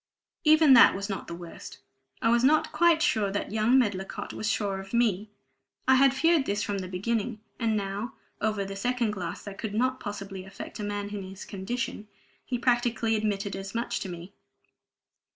Even that was not the worst. I was not quite sure that young Medlicott was sure of me. I had feared this from the beginning, and now (over the second glass that could not possibly affect a man in his condition) he practically admitted as much to me.